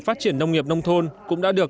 phát triển nông nghiệp nông thôn cũng đã được